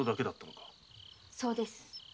そうです。